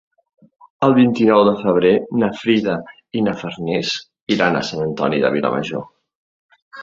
El vint-i-nou de febrer na Frida i na Farners iran a Sant Antoni de Vilamajor.